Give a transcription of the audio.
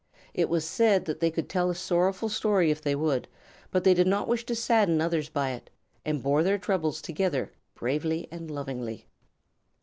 It was said that they could tell a sorrowful story if they would; but they did not wish to sadden others by it, and bore their troubles together bravely and lovingly.